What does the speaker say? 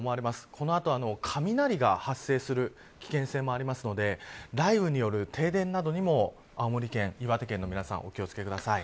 この後、雷が発生する危険性もあるので雷雨による停電などにも青森県、岩手県の皆さん、お気を付けください。